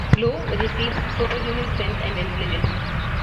Lou receives superhuman strength and intelligence.